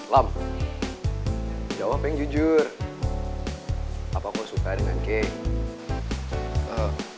lam jawab yang jujur apa kau suka dengan kay